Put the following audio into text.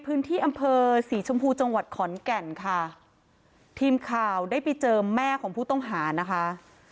พื้นที่อำเภอศรีชมพูจังหวัดขอนแก่นค่ะทีมข่าวได้ไปเจอแม่ของผู้ต้องหานะคะ